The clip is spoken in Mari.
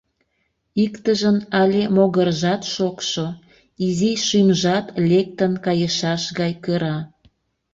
Иктыжын але могыржат шокшо, изи шӱмжат лектын кайышаш гай кыра...